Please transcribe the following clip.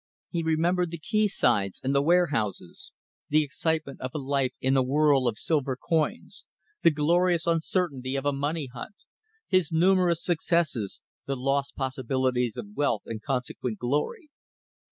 He remembered the quaysides and the warehouses; the excitement of a life in a whirl of silver coins; the glorious uncertainty of a money hunt; his numerous successes, the lost possibilities of wealth and consequent glory.